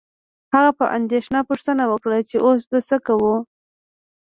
هغه په اندیښنه پوښتنه وکړه چې اوس به څه کوو